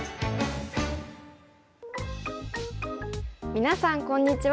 皆さんこんにちは。